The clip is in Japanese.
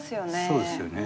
そうですよね。